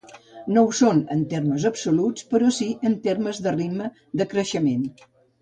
No ho són en termes absoluts, però sí en termes de ritme de creixement.